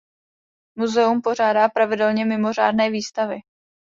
Muzeum pořádá pravidelně mimořádné výstavy.